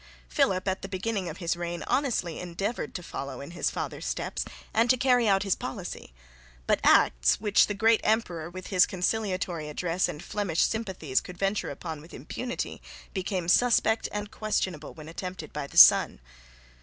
Philip at the beginning of his reign honestly endeavoured to follow in his father's steps and to carry out his policy; but acts, which the great emperor with his conciliatory address and Flemish sympathies could venture upon with impunity, became suspect and questionable when attempted by the son.